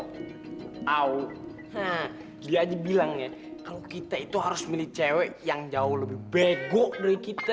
nah dia aja bilang ya kalau kita itu harus milih cewek yang jauh lebih bego dari kita